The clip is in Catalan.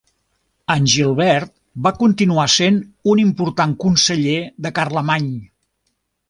Angilbert va continuar sent un important conseller de Carlemany.